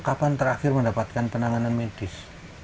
kapan terakhir mendapatkan penanganan medis